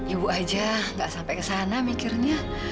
ibu aja gak sampai ke sana mikirnya